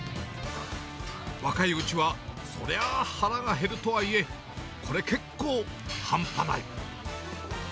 若いうちは、そりゃあ腹が減るとはいえ、これ、結構半端ない。